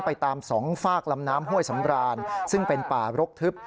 ไปตามสองฝากลำน้ำห้วยสำรานซึ่งเป็นป่ารกทึบ